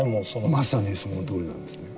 まさにそのとおりなんですね。